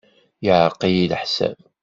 Yeɛreq-iyi leḥsab.